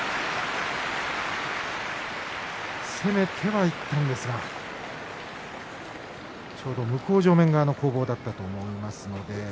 攻めてはいたんですけども向正面側の攻防だったと思います。